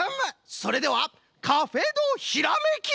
それでは「カフェドひらめき」！